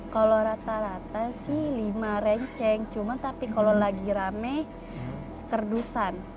kalau rata rata sih lima renceng cuma tapi kalau lagi rame sekerdusan